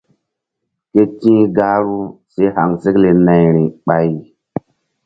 Ke ti̧h gahru si haŋsekle nayri ɓay.